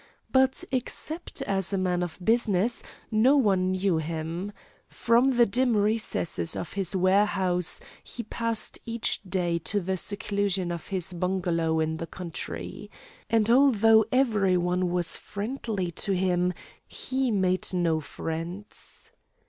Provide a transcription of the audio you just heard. But, except as a man of business, no one knew him. From the dim recesses of his warehouse he passed each day to the seclusion of his bungalow in the country. And, although every one was friendly to him, he made no friends.